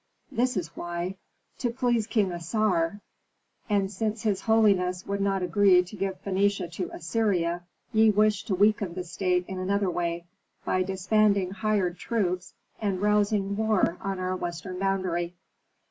"This is why: to please King Assar. And since his holiness would not agree to give Phœnicia to Assyria, ye wish to weaken the state in another way, by disbanding hired troops and rousing war on our western boundary."